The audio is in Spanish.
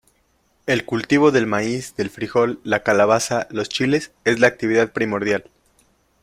El cultivo del maíz, del frijol, la calabaza, los chiles, es la actividad primordial.